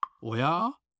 おや？